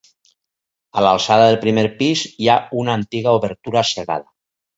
A l’alçada del primer pis hi ha una antiga obertura cegada.